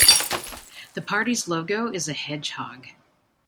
The party's logo is a hedgehog.